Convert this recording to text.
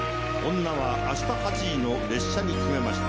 女はあした８時の列車に決めました。